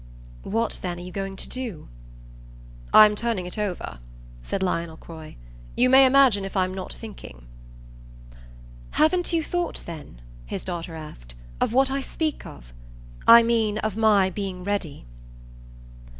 "What then are you going to do?" "I'm turning it over," said Lionel Croy. "You may imagine if I'm not thinking." "Haven't you thought then," his daughter asked, "of what I speak of? I mean of my being ready."